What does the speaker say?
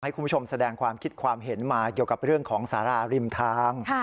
คุณผู้ชมแสดงความคิดความเห็นมาเกี่ยวกับเรื่องของสาราริมทาง